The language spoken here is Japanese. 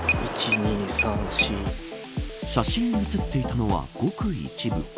写真に写っていたのはごく一部。